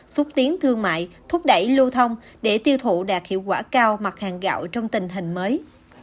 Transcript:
xúc tiến thương mại thúc đẩy lưu thông để tiêu thụ đạt hiệu quả cao mặt hàng gạo trong tình hình mới